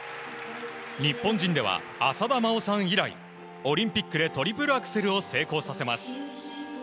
日本人では浅田真央さん以来オリンピックでトリプルアクセルを成功させます。